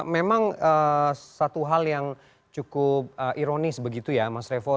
memang satu hal yang cukup ironis begitu ya mas revo